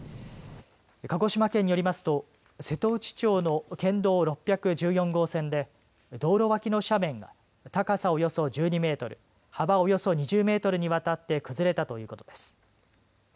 鹿児島県によりますと瀬戸内町の県道６１４号線で道路脇の斜面が高さおよそ１２メートル幅およそ２０メートルにわたって崩れたということです。